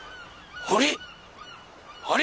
あれ？